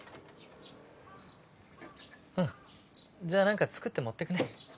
じゃあ何か作って持ってくね。